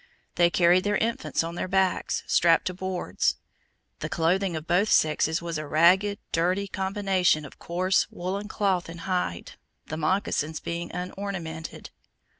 They carried their infants on their backs, strapped to boards. The clothing of both sexes was a ragged, dirty combination of coarse woolen cloth and hide, the moccasins being unornamented.